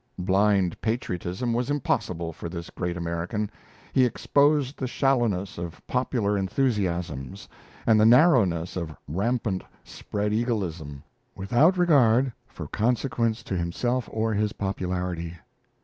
Blind patriotism was impossible for this great American: he exposed the shallowness of popular enthusiasms and the narrowness of rampant spread eagleism, without regard for consequence to himself or his popularity.